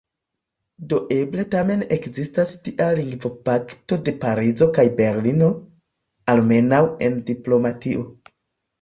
Do eble tamen ekzistas tia lingvopakto de Parizo kaj Berlino – almenaŭ en diplomatio.